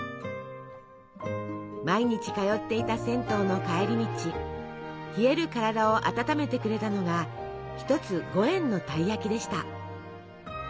毎日通っていた銭湯の帰り道冷える体を温めてくれたのが１つ５円のたい焼きでした。